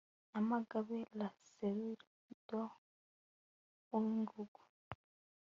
Nyamagabe la Cellule de Uwingugu